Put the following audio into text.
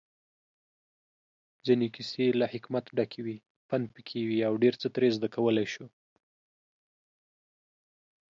ځينې کيسې له حکمت ډکې وي، پندپکې وي اوډيرڅه ترې زده کولی شو